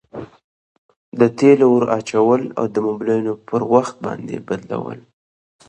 د تیلو ور اچول او د مبلایلو پر وخت باندي بدلول.